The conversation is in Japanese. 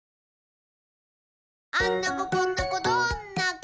「あんな子こんな子どんな子？